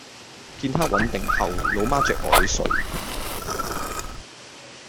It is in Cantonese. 見她穩定後，老媽著我去睡